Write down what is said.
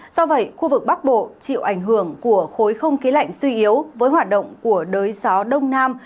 do vậy khu vực bắc bộ chịu ảnh hưởng của khối không khí lạnh suy yếu với hoạt động của đới gió đông nam